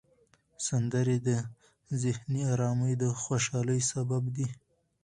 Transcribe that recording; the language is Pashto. سندرې د ذهني آرامۍ او خوشحالۍ سبب دي.